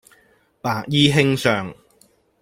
白衣卿相